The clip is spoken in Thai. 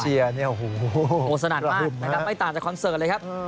เชียร์นี้โอดสนัดมากนะครับไม่ต่างจากคอนเซิร์ตเลยครับ